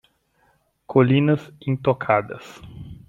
Colinas intocadas